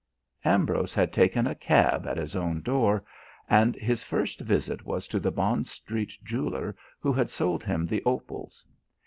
Ambrose had taken a cab at his own door, and his first visit was to the Bond Street jeweller who had sold him the opals.